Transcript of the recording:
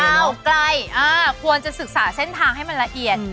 ไกลควรจะศึกษาเส้นทางให้มันละเอียด